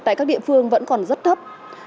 tại các địa phương vẫn còn rất thấp